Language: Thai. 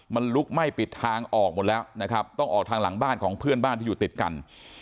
มันลุกไหม้ปิดทางออกหมดแล้วนะครับต้องออกทางหลังบ้านของเพื่อนบ้านที่อยู่ติดกัน